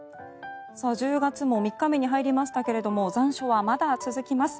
１０月も３日目に入りましたが残暑はまだ続きます。